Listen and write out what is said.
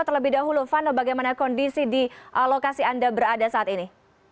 terlebih dahulu vano bagaimana kondisi di lokasi anda berada saat ini